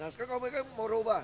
sekarang kalau mereka mau ubah